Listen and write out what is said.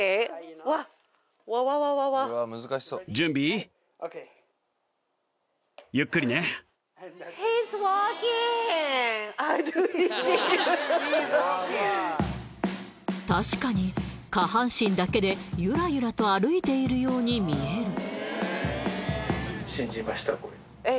うわっわわわわわっ確かに下半身だけでゆらゆらと歩いているように見えるえっ？